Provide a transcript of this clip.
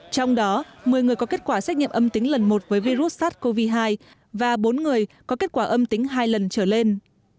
trong đó một mươi người có kết quả xét nghiệm âm tính lần một với virus sars cov hai và bốn người có kết quả âm tính hai lần trở lên